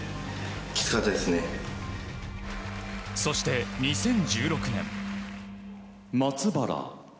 そして、２０１６年。